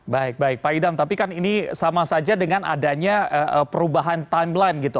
baik baik pak idam tapi kan ini sama saja dengan adanya perubahan timeline gitu